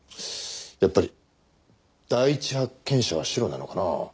やっぱり第一発見者はシロなのかな？